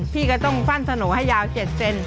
พี่ก็ต้องปั้นสโนให้ยาว๗เซน